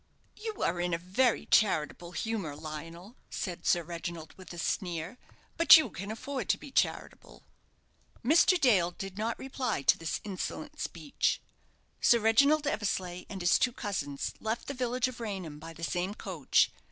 "You are in a very charitable humour, Lionel," said Sir Reginald, with a sneer; "but you can afford to be charitable." Mr. Dale did not reply to this insolent speech. Sir Reginald Eversleigh and his two cousins left the village of Raynham by the same coach.